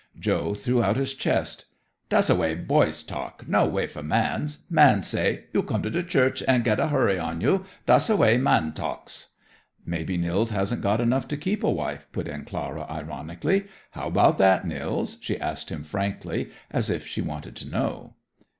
Joe threw out his chest. "Das a way boys talks. No way for mans. Mans say, 'You come to de church, an' get a hurry on you.' Das a way mans talks." "Maybe Nils hasn't got enough to keep a wife," put in Clara ironically. "How about that, Nils?" she asked him frankly, as if she wanted to know.